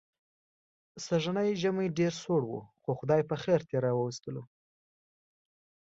سږنی ژمی ډېر سوړ و، خو خدای پخېر ترې را و ایستلو.